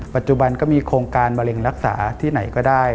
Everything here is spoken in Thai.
ปัจจุบันก็มีโครงการมะเร็งรักษาที่ไหนก็ได้